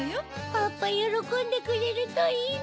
パパよろこんでくれるといいな。